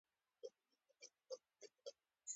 مطالعه مو بريا ته راسوي